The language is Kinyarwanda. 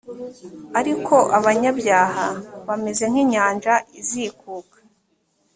ariko abanyabyaha bameze nk inyanja izikuka